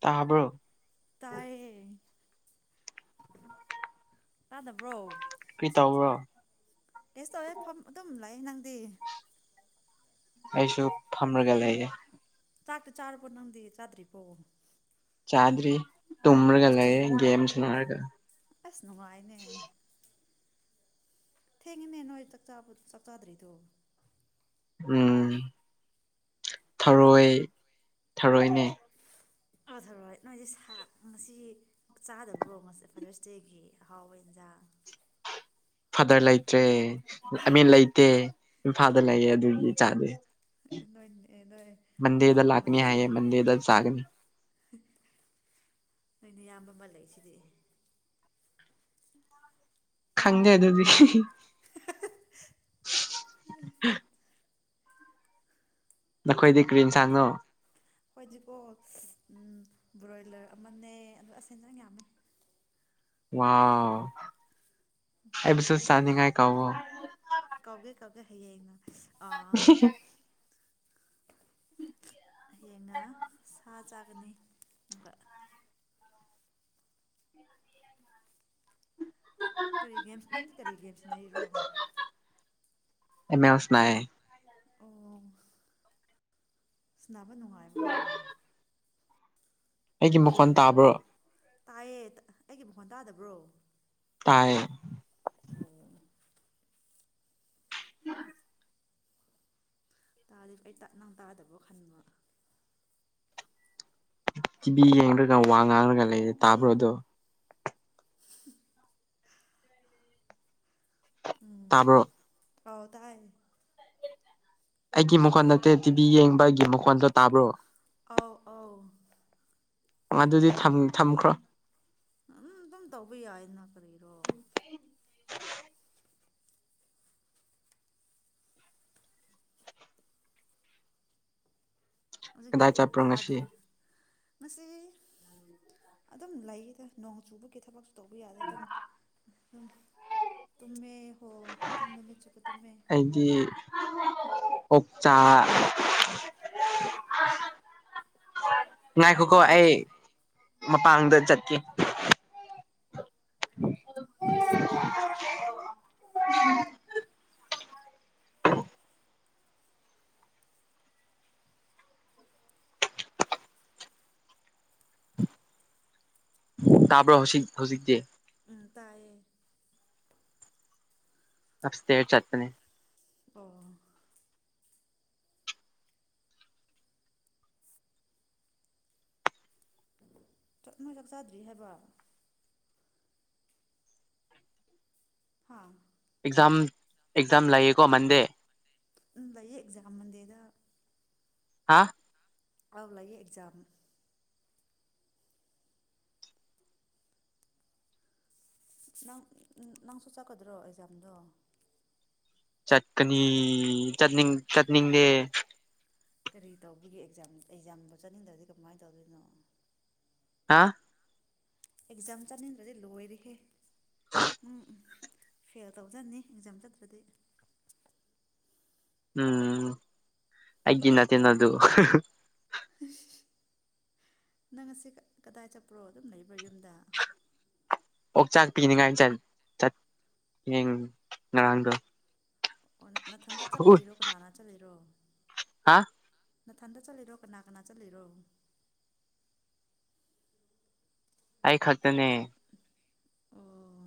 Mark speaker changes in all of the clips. Speaker 1: ꯇꯥꯕ꯭ꯔꯣ
Speaker 2: ꯇꯌꯦꯦ ꯇꯥꯗꯕ꯭ꯔꯣ
Speaker 1: ꯀꯔꯤ ꯇꯧꯕ꯭ꯔꯣ
Speaker 2: ꯀꯁꯇꯦ ꯐꯝ ꯂꯩꯥꯏ ꯅꯪꯗꯤꯦ
Speaker 1: ꯑꯩꯁꯨ ꯐꯝꯔꯒ ꯂꯩꯌꯦ
Speaker 2: ꯆꯥꯛꯇ ꯆꯥꯔꯨꯔꯕꯣ ꯅꯪꯗꯤ ꯆꯥꯗ꯭ꯔꯤ ꯄꯣꯑꯣ
Speaker 1: ꯆꯥꯗ꯭ꯔꯤ ꯇꯃ꯭ꯔꯒ ꯂꯩꯑꯦ ꯦꯝꯁꯅꯔꯒ
Speaker 2: ꯑꯁ ꯅꯨꯡꯉꯥꯏꯅꯦ ꯊꯦꯡꯉꯤꯅꯦ ꯅꯣꯏ ꯆꯥꯛ ꯆꯥꯛ ꯆꯥꯗ꯭ꯔꯤꯗꯣ
Speaker 1: ꯎꯝ ꯊꯔꯣꯏ ꯊꯔꯣꯏꯅꯦ
Speaker 2: ꯑꯣꯊꯔꯣꯏ ꯅꯣꯏꯗꯤ ꯁꯥꯥꯛ ꯉꯁꯤ ꯆꯥꯗꯕ꯭ꯔꯣ ꯉ ꯐꯥꯗꯔꯁ ꯗꯦꯒꯤ ꯑꯍꯥꯎꯕ ꯌꯦꯟꯁꯥꯡ
Speaker 1: ꯐꯥꯗꯔ ꯂꯩꯇ꯭ꯔꯦ ꯑꯃꯦꯟ ꯂꯩꯇꯦ ꯏꯝꯐꯥꯜꯗ ꯂꯩꯌꯦ ꯑꯗꯨꯒꯤ ꯏꯆꯥꯗꯤ
Speaker 2: [unintelligible] ꯅꯌꯥꯝꯕ
Speaker 1: ꯃꯟꯗꯦꯗꯜꯥꯥꯛꯅꯤ ꯍꯥꯏ ꯃꯟꯗꯦꯗꯜ ꯁꯥꯒꯅꯤ
Speaker 2: ꯑꯩꯅ ꯏꯌꯥꯝꯕ ꯃꯥꯜꯂꯁꯤꯗꯤ
Speaker 1: ꯈꯪꯦ ꯑꯗꯨ ꯑꯗꯨꯗꯤ ꯅꯈꯣꯏꯗꯤ ꯀ꯭ꯔꯤꯟ ꯁꯥꯡꯉꯨ
Speaker 2: ꯍꯣꯏꯗꯤꯀꯣ ꯎ ꯕ꯭ꯔꯣꯏꯂꯔ ꯑꯃꯅꯦ ꯑ ꯑꯁꯦꯟꯗꯅ ꯌꯥꯝꯃꯤ
Speaker 1: ꯋꯥ ꯑꯩ ꯄꯁ
Speaker 2: ꯑꯗꯣ ꯍꯌꯦꯡ
Speaker 1: ꯆꯥꯟꯅꯤꯡꯉꯥꯏ ꯀꯥꯎꯕ
Speaker 2: ꯍ ꯌꯥꯏꯅ ꯑꯥ ꯍꯌꯦꯡꯅ ꯁꯥ ꯆꯥꯒꯅꯤ ꯑꯗꯨꯒ ꯀꯔꯤ ꯒꯦꯝꯁ ꯅꯪꯗꯤ ꯀꯔꯤ ꯒꯦꯝꯁ ꯅꯩꯔꯤꯔꯣ
Speaker 1: ꯑꯦꯃꯦ ꯑꯦ ꯑꯣꯁꯅꯥꯏ
Speaker 2: ꯁꯅꯥꯕꯅꯣ
Speaker 1: ꯎ ꯑꯩꯒꯤ ꯃꯈꯣꯟ ꯇꯥꯕ꯭ꯔꯣ
Speaker 2: ꯇꯥꯏꯌꯦ ꯑꯩꯒꯤ ꯃꯈꯣꯟ ꯇꯥꯗꯕ꯭ꯔꯣ
Speaker 1: ꯇꯌꯦ
Speaker 2: ꯑꯣ
Speaker 1: ꯎ
Speaker 2: ꯇꯥꯗꯤ ꯑꯩ ꯅꯪ ꯇꯥꯗꯕꯣ ꯈꯟꯕ
Speaker 1: ꯇꯤꯚꯤ ꯌꯦꯡ꯭ꯔꯒ ꯋꯥ ꯉꯥꯡꯔꯒ ꯂꯩꯔꯦ ꯇꯥꯕ꯭ꯔꯣꯗꯣ ꯇꯥꯕꯣ
Speaker 2: ꯑ ꯇꯥꯏ
Speaker 1: ꯑꯩꯒꯤ ꯃꯈꯣꯟ ꯅꯠꯇꯦ ꯇꯤꯚꯤ ꯌꯦꯡꯕ ꯑꯩꯒꯤ ꯃꯈꯣꯟꯗꯣ ꯇꯥꯕ꯭ꯔꯣ
Speaker 2: ꯑꯧ ꯑꯥꯎ
Speaker 1: ꯑꯗꯨꯗꯤ ꯊꯝꯈ꯭ꯔꯣ
Speaker 2: ꯎ ꯎꯝ ꯑꯗꯨꯝ ꯇꯧꯕ ꯌꯥꯏꯅ ꯀꯔꯤꯔꯣ ꯍꯧꯖꯤꯛꯇꯤ
Speaker 1: ꯀꯗꯥꯏ ꯆꯠꯄ꯭ꯔꯣ ꯉꯁꯤ
Speaker 2: ꯇꯥꯗ꯭ꯔꯦ ꯉꯁꯤ ꯑꯗꯨꯝ ꯂꯩꯗ ꯅꯣꯡ ꯆꯨꯕꯒꯤ ꯊꯕꯛ ꯇꯧꯕ ꯌꯥꯗꯦ ꯑꯗꯨꯝ ꯇꯨꯃꯦ ꯍꯣ ꯑꯗꯨꯝ ꯅꯨꯃꯤꯠ ꯆꯕ ꯇꯨꯝꯃꯦ
Speaker 1: ꯑꯣꯞꯆꯥꯆꯥ ꯉꯈꯣ ꯀꯣ
Speaker 2: ꯄꯤꯕ
Speaker 1: ꯑꯩ
Speaker 2: ꯆꯠ
Speaker 1: ꯃꯄꯥꯡꯗ ꯆꯠꯀꯦ ꯇꯕ ꯍꯁꯤꯛ ꯍꯁꯤꯛꯗꯤꯦ
Speaker 2: ꯇꯥꯏꯌꯦ
Speaker 1: ꯑꯞ ꯏꯁꯇꯦꯔ ꯆꯠꯄꯅꯦ
Speaker 2: ꯑꯣ ꯆꯞꯅꯣꯏ ꯆꯥꯛ ꯆꯥꯗ꯭ꯔꯤ ꯍꯥꯏꯕ ꯍꯥꯥ
Speaker 1: ꯑꯦꯛꯖꯝ ꯑꯦꯛꯖꯥꯝ ꯂꯀ ꯃꯟꯗꯦ
Speaker 2: ꯂꯌꯦ ꯑꯦꯛꯖꯥꯝ ꯃꯗꯦꯗ
Speaker 1: ꯍꯥꯥ
Speaker 2: ꯑꯗꯨ ꯂ ꯑꯦꯛꯖꯥꯝ ꯅꯪ ꯅꯪꯁꯨ ꯆꯠꯀꯗ꯭ꯔꯣ ꯑꯦꯛꯖꯥꯝꯗꯣ
Speaker 1: ꯆꯠꯀꯅꯤ ꯆꯠꯅꯤꯡ ꯆꯠꯅꯤꯡꯗꯦ
Speaker 2: ꯀꯔꯤ ꯇꯧꯕꯒꯦ ꯑꯦꯛꯖꯥꯝ ꯑꯦꯛꯖꯥꯝꯗ ꯆꯠꯅꯤꯡꯗ꯭ꯔꯗꯤ ꯀꯃꯥꯏꯅ ꯇꯧꯗꯣꯏꯅꯣ
Speaker 1: ꯍꯥꯥ
Speaker 2: ꯑꯦꯛꯖꯥꯝ ꯆꯠꯅꯤꯡꯗ꯭ꯔꯗꯤ ꯂꯣꯏꯔꯤꯈꯦꯝ ꯐꯦꯜ ꯇꯧꯖꯅꯤ ꯑꯦꯛꯖꯥꯝ ꯆꯠꯇ꯭ꯔꯗꯤ
Speaker 1: ꯎꯝ ꯑꯩꯒꯤꯅꯥ ꯇꯅꯗꯨ
Speaker 2: ꯅꯪꯁ ꯀꯗꯥꯏ ꯆꯠꯄ꯭ꯔꯣ ꯑꯗꯨꯝ ꯂꯩꯕ꯭ꯔꯣ ꯌꯨꯝꯗ
Speaker 1: ꯑꯣꯛꯆꯥꯛ ꯄꯤꯅꯤꯉꯥꯏ ꯆꯠ ꯉꯔꯥꯡꯗꯣ
Speaker 2: ꯑꯣ ꯅꯥꯊꯟꯇ ꯆꯠꯂꯛꯏꯔꯣ ꯀꯅꯥꯅ ꯆꯠꯂꯔꯣ
Speaker 1: ꯍꯥ
Speaker 2: ꯅꯊꯟꯗ ꯆꯠꯂꯤꯔꯣ ꯀꯅꯥ ꯀꯅꯥ ꯆꯠꯂꯤꯔꯣ
Speaker 1: ꯑꯩ ꯈꯥꯛꯛꯇꯅꯦ
Speaker 2: ꯑꯣ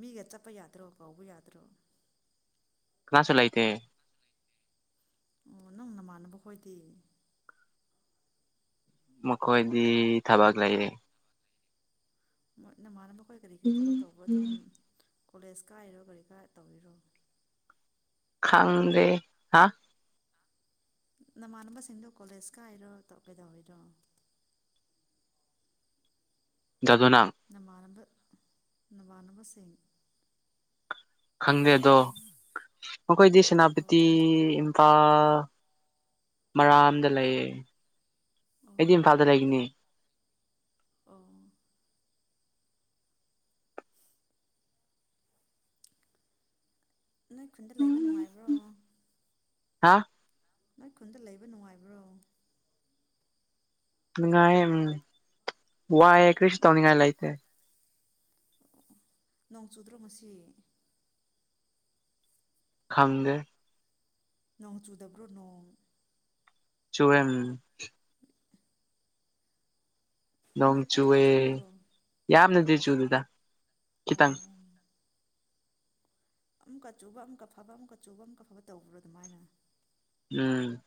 Speaker 2: ꯃꯤꯒ ꯆꯠꯄ ꯌꯥꯗ꯭ꯔꯣ ꯀꯧꯕ ꯌꯥꯗ꯭ꯔꯣ
Speaker 1: ꯀꯅꯥ ꯆꯦ ꯂꯥꯏꯇꯦ
Speaker 2: ꯑꯣ ꯅꯪ ꯅꯃꯥꯟꯅꯕ ꯈꯣꯏꯗꯤ
Speaker 1: ꯃꯈꯣꯏꯗꯤ ꯊꯕꯛ ꯂꯩꯌꯦꯦ
Speaker 2: ꯅ ꯑꯔꯝꯕ ꯑꯩꯈꯣꯏ ꯀꯔꯤ ꯀꯔꯤ ꯊꯕꯛ
Speaker 1: ꯎꯝ
Speaker 2: ꯇꯧꯕ ꯑꯗꯨꯝ
Speaker 1: ꯎꯝ
Speaker 2: ꯀꯣꯂꯦꯖ ꯀꯥꯔꯤꯔꯣ ꯀꯔꯤ ꯀꯥ ꯇꯧꯕꯤꯔꯣ
Speaker 1: ꯈꯥꯡꯗꯦ ꯍꯥ
Speaker 2: ꯅꯃꯥꯟꯅꯕꯁꯤꯡꯗꯣ ꯀꯣꯂꯦꯖꯀ ꯍꯥꯏ ꯑꯣꯏꯔꯣ ꯇꯣꯞ ꯀꯩꯗ ꯑꯣꯏꯔꯣ
Speaker 1: ꯖꯗꯣ ꯅꯪ
Speaker 2: ꯅꯅꯝꯕ ꯅꯚꯥꯟꯕꯁꯤꯡ
Speaker 1: ꯈꯪꯗꯦ ꯑꯗꯣ ꯃꯈꯣꯏꯗꯤ
Speaker 2: ꯑꯣ
Speaker 1: ꯁꯦꯅꯥꯄꯇꯤ ꯏꯝꯐꯥꯜ ꯃꯔꯥꯝꯗ ꯂꯩꯌꯦ
Speaker 2: ꯑꯣ
Speaker 1: ꯑꯦꯗꯤꯝ ꯐꯥꯗꯔꯦꯒꯅꯤ
Speaker 2: ꯑꯣ ꯅꯣꯏ ꯈꯨꯟꯗ ꯂꯩꯕ ꯅꯨꯡꯉꯥꯏꯕ꯭ꯔꯣ
Speaker 1: ꯍꯥꯥ
Speaker 2: ꯅꯣꯏ ꯈꯨꯟꯗ ꯂꯩꯕ ꯅꯨꯡꯉꯥꯏꯕ꯭ꯔꯣ
Speaker 1: ꯅꯨꯡꯉꯥꯏ ꯎꯝ ꯋꯥ ꯌꯥ ꯀꯔꯤꯁꯨ ꯇꯅꯤꯡꯉꯥꯏ ꯂꯩꯥꯏꯇꯦ
Speaker 2: ꯑꯣ ꯅꯣꯡ ꯆꯨꯗ꯭ꯔꯣ ꯃꯁꯤꯁꯤ
Speaker 1: ꯈꯪꯗꯦ
Speaker 2: ꯅꯣꯡ ꯆꯨꯗꯕ꯭ꯔꯣ ꯅꯣꯡ
Speaker 1: ꯆꯨꯝ
Speaker 2: ꯅꯨꯃꯤꯠ ꯆꯨꯞꯄ
Speaker 1: ꯅꯣꯡꯆꯨꯋꯦ
Speaker 2: ꯆꯨꯕ꯭ꯔꯣ
Speaker 1: ꯌꯥꯝ ꯅꯗꯤ ꯁꯨꯗꯗ
Speaker 2: ꯑꯣ
Speaker 1: ꯈꯤꯇꯪ
Speaker 2: ꯑꯃꯨꯛꯀ ꯆꯨꯕ ꯑꯃꯨꯛꯀ ꯐꯕ ꯑꯃꯨꯛꯀ ꯆꯨꯕ ꯑꯃꯨꯛꯀ ꯐꯕ ꯇꯧꯕ꯭ꯔꯣ ꯑꯗꯨꯃꯥꯏꯅ
Speaker 1: ꯎꯝ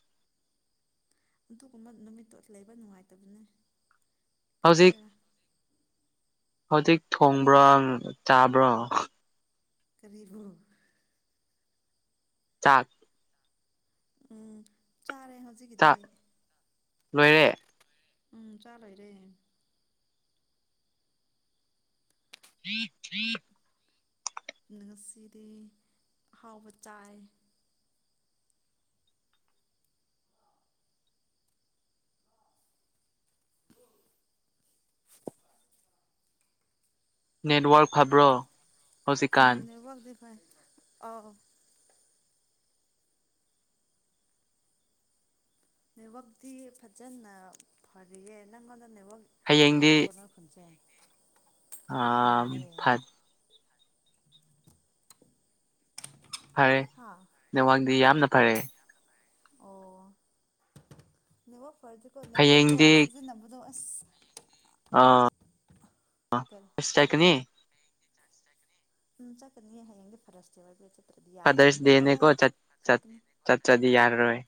Speaker 2: ꯑꯗꯨꯒꯨꯝꯕ ꯅꯨꯃꯤꯠꯇꯣ ꯂꯩꯕ ꯅꯨꯡꯉꯥꯏꯇꯕꯅꯦ
Speaker 1: ꯍꯧꯖꯤꯛ
Speaker 2: ꯑꯁꯔ
Speaker 1: ꯍꯧꯖꯤꯛ ꯊꯣꯡꯕ꯭ꯔꯣ ꯆꯥꯕ꯭ꯔꯣ
Speaker 2: ꯀꯔꯤꯕꯨꯝ
Speaker 1: ꯆꯥꯛ
Speaker 2: ꯎ ꯆꯥꯔꯦ ꯍꯧꯖꯤꯛꯀꯤꯗꯤ
Speaker 1: ꯆꯥꯛ ꯂꯣꯏꯔꯦ
Speaker 2: ꯎꯝ ꯆꯠꯂꯣꯏꯔꯦ
Speaker 1: ꯍ ꯍ
Speaker 2: ꯉꯁꯤꯗꯤ ꯑꯍꯥꯎꯕ ꯆꯥꯏ
Speaker 1: ꯅꯦꯠꯋꯔꯛ ꯐꯕ꯭ꯔꯣ ꯍꯁꯤ ꯈꯥꯟ
Speaker 2: ꯍ ꯑꯥꯎ ꯅꯕꯛꯇꯤ ꯐꯖꯅ ꯐꯔꯤꯌꯦ ꯅꯪꯉꯣꯟꯗ ꯐꯕ ꯐꯠꯇꯕ ꯅ ꯐꯟꯁꯦ
Speaker 1: ꯑ ꯐꯠ ꯐꯔꯦ
Speaker 2: ꯍꯥ
Speaker 1: ꯅꯋꯥꯡꯗꯤ ꯌꯥꯝꯅ ꯔꯦ
Speaker 2: ꯑꯣ ꯅꯕꯣ ꯐꯔꯖ ꯀꯣ ꯄꯒꯣ ꯑ ꯁꯤꯖꯤ ꯅꯅꯣ [inaudible] ꯀꯔꯤ
Speaker 1: ꯑꯁꯥꯏꯅꯤ
Speaker 2: ꯎ ꯆꯀꯅꯤ ꯍꯥꯏꯌꯦꯡ ꯐꯔꯁꯇꯦꯕ
Speaker 1: ꯐꯗꯔꯁ ꯗꯅꯦ ꯀꯣ ꯆꯠ ꯆꯗꯤ ꯌꯥꯔꯔꯣꯦ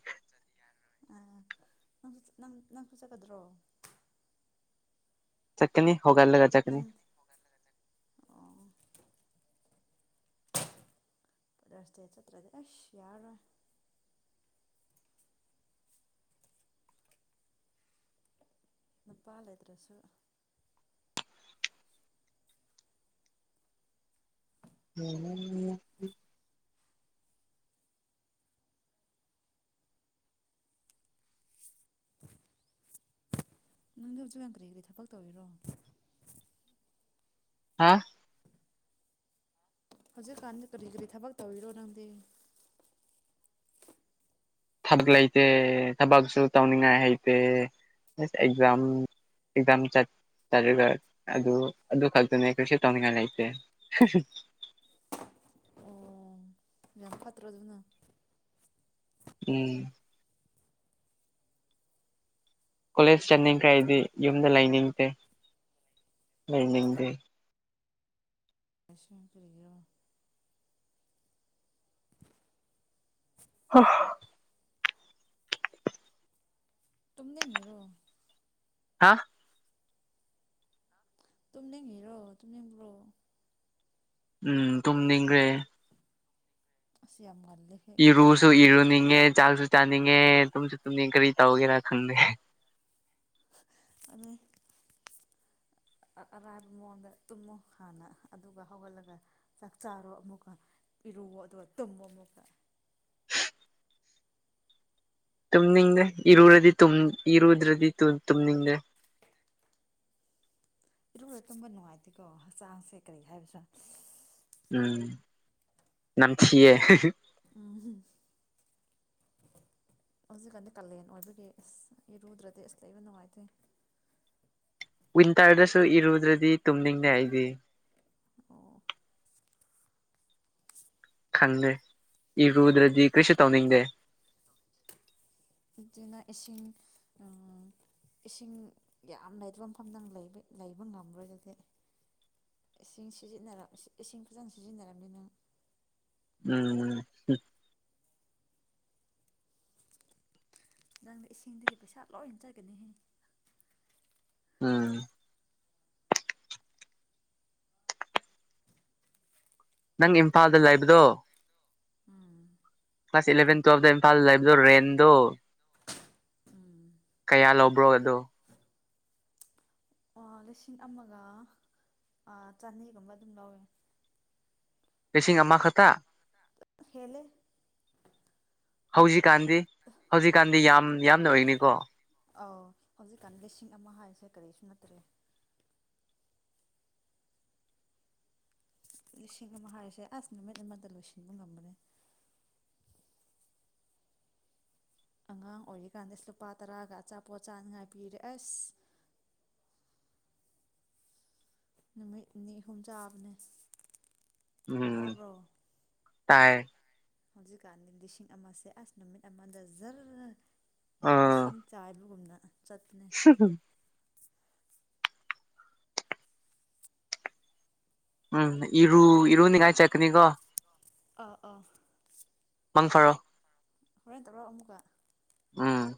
Speaker 2: ꯑꯪ ꯅꯪ ꯐ ꯆꯀꯗ꯭ꯔꯣ
Speaker 1: ꯆꯀꯅꯤ ꯍ ꯀ ꯂ ꯀ ꯆꯀꯅꯤ
Speaker 2: ꯅꯪ ꯑꯣ ꯄꯗꯁ ꯆꯠꯇ꯭ꯔꯗꯁ ꯌꯥꯔ ꯅꯨꯄꯥꯜ ꯂꯩꯗ꯭ꯔꯁꯨ
Speaker 1: ꯍ
Speaker 2: ꯅꯪꯗꯤ ꯍꯧꯖꯤꯛꯀ ꯀꯔꯤ ꯀꯔꯤ ꯊꯕꯛ ꯇꯧꯔꯤꯔꯣ
Speaker 1: ꯍꯥꯥ
Speaker 2: ꯍꯧꯖꯤꯦ ꯀꯅ ꯀꯔꯤ ꯀꯔꯤ ꯊꯕꯛꯇ ꯇꯧꯏꯔꯑꯣꯅꯗꯤ
Speaker 1: ꯊꯕꯛ ꯂꯩꯇꯦ ꯊꯕꯛꯁꯨ ꯇꯧꯅꯤꯡꯉꯥꯏ ꯍꯩꯇꯦ ꯑꯦꯛꯖꯥꯝ ꯑꯦꯛꯖꯥꯝ ꯆ ꯆꯔꯒ ꯑꯗꯨ ꯑꯗꯨ ꯈꯛꯇꯅꯦ ꯑꯩꯈꯔꯤꯁꯨ ꯇꯧꯅꯤꯡꯉꯥꯏ ꯂꯩꯇꯦ
Speaker 2: ꯐꯠꯇ꯭ꯔ ꯑꯗꯨꯅ
Speaker 1: ꯎꯝ ꯀꯣꯂꯦꯖ ꯆꯠꯅꯤꯡꯈꯥꯏꯗꯤ ꯌꯨꯝꯗ ꯂꯩꯅꯤꯡꯗꯦ ꯂꯩꯅꯤꯡꯗꯦ
Speaker 2: ꯀꯁꯤ ꯌꯦ ꯀꯔꯤꯒꯣ
Speaker 1: ꯑ
Speaker 2: ꯇꯗꯔꯣ
Speaker 1: ꯍꯥꯥ
Speaker 2: ꯇꯨꯅ ꯍꯦꯔꯣ ꯇꯨꯅꯕ꯭ꯔꯣ
Speaker 1: ꯎꯝ ꯇꯨꯝꯅꯤꯡꯈ꯭ꯔꯦ
Speaker 2: ꯑꯁꯤ ꯌꯥꯝꯒ
Speaker 1: ꯏꯔꯁꯨ ꯏꯔꯅꯤ ꯆꯉꯦ ꯆꯥꯛꯁꯨ ꯆꯥꯅꯤꯡꯉꯦ ꯇꯨꯝꯁꯨ ꯇꯨꯝꯅꯤꯡꯉꯦ ꯀꯔꯤ ꯇꯧꯒꯦꯔꯥ ꯈꯪꯗꯦ
Speaker 2: ꯑꯗꯨ ꯑꯔꯥꯏꯕ ꯃꯑꯣꯡꯗ ꯇꯨꯝꯃꯣ ꯍꯥꯟꯅ ꯑꯗꯨꯒ ꯍꯧꯒꯠꯂꯒ ꯆꯥꯛ ꯆꯥꯔꯣ ꯑꯃꯨꯛꯀ ꯏꯔꯨꯣ ꯑꯗꯨꯒ ꯇꯨꯝꯃꯣ ꯑꯃꯨꯛꯀ
Speaker 1: ꯇꯨꯝꯃꯤꯅꯤꯡꯗꯦ ꯏꯔ꯭ꯔꯗꯤ ꯇ ꯏꯔꯗ꯭ꯔꯗꯤ ꯇꯃꯤꯅꯤꯡꯗꯦ
Speaker 2: ꯏꯔꯨꯔ ꯇꯨꯝꯕ ꯅꯨꯡꯉꯥꯏꯇꯦꯀꯣ ꯍꯛꯆꯥꯡꯁꯦ ꯀꯔꯤ ꯍꯥꯏꯕꯁꯥ
Speaker 1: ꯎꯝ ꯅꯝꯊꯤꯌꯦ
Speaker 2: ꯎꯝ ꯍꯧꯖꯤꯛꯀꯥꯟꯗꯤ ꯀꯥꯂꯦꯟ ꯑꯣꯏꯕꯒꯤ ꯑꯁ ꯏꯔꯨꯗ꯭ꯔꯗꯤ ꯑꯁ ꯂꯩꯕ ꯅꯨꯡꯉꯥꯏꯇꯦ
Speaker 1: ꯋꯤꯟꯇꯔꯗꯁꯨ ꯏꯔꯨꯗ꯭ꯔꯗꯤ ꯇꯨꯝꯅꯤꯡꯗꯦ ꯑꯩꯗꯤ
Speaker 2: ꯑꯣ
Speaker 1: ꯈꯪꯗꯦ ꯏ ꯀꯨꯗ꯭ꯔꯗꯤ ꯀ꯭ꯔꯤꯁꯤ ꯇꯧꯅꯤꯡꯗꯦ
Speaker 2: ꯑꯗꯨꯅ ꯏꯁꯤꯡ ꯏꯁꯤꯡ ꯌꯥꯝ ꯂꯩꯗꯕ ꯃꯐꯝꯗꯪ ꯂꯩꯕ ꯉꯝꯃ꯭ꯔꯒꯗꯤ ꯏꯁꯤꯡꯖꯤꯟꯅ ꯏꯁꯤꯡ ꯐꯖꯅ ꯁꯤꯖꯤꯟꯅꯔꯕꯅꯤꯅ
Speaker 1: ꯎꯝ
Speaker 2: ꯅꯪꯗꯤ ꯏꯁꯤꯡꯗꯒꯤ ꯄꯩꯁꯥ ꯂꯣꯏꯖꯒꯅꯤꯍꯦ
Speaker 1: ꯎꯝ ꯅꯪ ꯏꯝꯐꯥꯜꯗ ꯂꯩꯕꯗꯣ
Speaker 2: ꯎꯝ
Speaker 1: ꯀ꯭ꯂꯥꯁ ꯏꯂꯚꯦꯟ ꯇꯨꯌꯦꯦꯜꯞꯇ ꯏꯝꯐꯥꯜ ꯂꯩꯕꯗꯣ ꯔꯦꯟꯗꯣ
Speaker 2: ꯎꯝ
Speaker 1: ꯀꯌꯥ ꯂꯧꯕ꯭ꯔꯣ ꯑꯗꯣ
Speaker 2: ꯑꯣ ꯂꯤꯁꯤꯡ ꯑꯃꯒ ꯆꯅꯤꯒꯨꯝꯕ ꯑꯗꯨꯝ ꯂꯧꯋꯦ
Speaker 1: ꯀꯦꯁꯤ ꯑꯃꯥ ꯈꯊ
Speaker 2: ꯍꯦꯂꯦ
Speaker 1: ꯍꯧꯖꯤꯛꯀꯥꯟꯗꯤ ꯍꯧꯖꯤꯛꯀꯥꯟꯗꯤ ꯌꯥꯝ ꯌꯥꯝꯅ ꯑꯣꯏꯅꯤꯀꯣ
Speaker 2: ꯑꯧ ꯍꯧꯖꯤꯛꯀꯥꯟ ꯂꯤꯁꯤꯡ ꯑꯃ ꯍꯥꯏꯔꯤꯁꯦ ꯀꯔꯤꯁꯨ ꯅꯠꯇ꯭ꯔꯦ ꯂꯤꯁꯤꯡ ꯑꯃ ꯍꯥꯏꯁꯦ ꯑꯁ ꯅꯨꯃꯤꯠꯃꯗ ꯂꯣꯏꯁꯤꯟꯕ ꯉꯝꯕꯅꯦ ꯑꯉꯥꯡ ꯑꯣꯏꯔꯤꯀꯥꯟꯗ ꯂꯨꯄꯥ ꯇꯔꯥꯒ ꯑꯆꯥꯄꯣꯠ ꯆꯥꯅꯤꯉꯥꯏ ꯄꯤꯔꯦ ꯑꯁ ꯅꯨꯃꯤꯠ ꯅꯤ ꯑꯍꯨꯝ ꯆꯥꯕꯅꯦ
Speaker 1: ꯎꯝ
Speaker 2: ꯇꯥꯔꯕꯣ
Speaker 1: ꯇꯥꯏ
Speaker 2: ꯍꯧꯖꯤꯛꯀꯥꯟꯗꯤ ꯂꯤꯁꯤꯡ ꯑꯃꯦ ꯑꯁ ꯅꯨꯃꯤꯠ ꯑꯃꯗ ꯖꯔ
Speaker 1: ꯑ
Speaker 2: ꯏꯁꯤꯡ ꯆꯥꯏꯕꯒꯨꯝꯅ ꯆꯠꯅꯦ
Speaker 1: ꯎꯝ ꯏꯔꯨ ꯏꯔꯨꯅꯤꯡꯉꯥꯏ ꯆꯠꯀꯅꯤꯀꯣ
Speaker 2: ꯑꯥ ꯑꯥ
Speaker 1: ꯃꯪ ꯐꯔꯣ
Speaker 2: ꯍꯣꯔꯦꯟ ꯇꯧꯔꯣ ꯑꯃꯨꯛꯀ
Speaker 1: ꯎꯝ